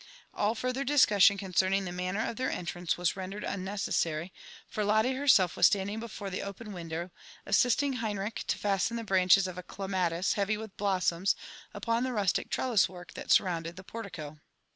All farther discussion concerning the manner of their entranee was rendered unnecesary, for Lotte herself was standing before the open window, assisting Henrich to fasten the branches of a clematis, heavy with blossoms, upon the rustic treiilis work that surrounded the portico.